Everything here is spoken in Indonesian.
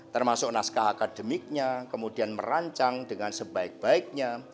termasuk naskah akademiknya kemudian merancang dengan sebaik baiknya